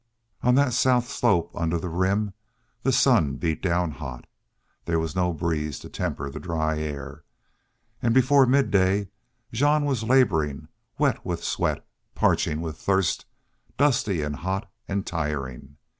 On that south slope under the Rim the sun beat down hot. There was no breeze to temper the dry air. And before midday Jean was laboring, wet with sweat, parching with thirst, dusty and hot and tiring.